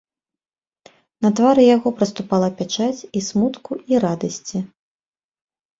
На твары яго праступала пячаць і смутку і радасці.